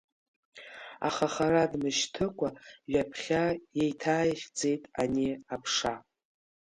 Аха хара дмышьҭыкәа ҩаԥхьа иеиҭааихьӡеит ани Аԥша.